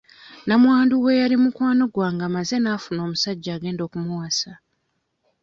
Namwandu w'eyali mukwano gwange amaze n'afuna omusajja agenda okumuwasa.